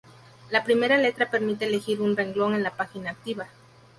La primera letra permite elegir un renglón en la página activa.